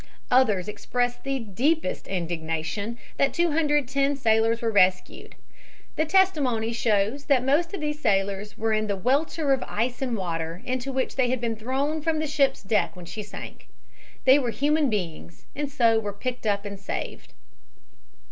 Others express the deepest indignation that 210 sailors were rescued, the testimony shows that most of these sailors were in the welter of ice and water into which they had been thrown from the ship's deck when she sank; they were human beings and so were picked up and saved.